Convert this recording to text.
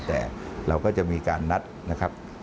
แต่เราก็จะมีการนัดนะครับ